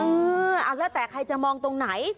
เออเอาแล้วแต่ใครจะมองตรงไหน